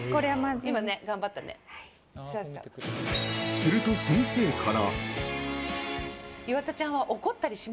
すると先生から。